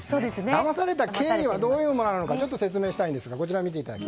だまされた経緯はどういうものなのか説明したいんですが。